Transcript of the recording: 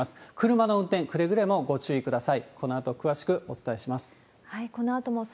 車の運転、くれぐれもご注意ください。